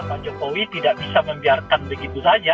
pak jokowi tidak bisa membiarkan begitu saja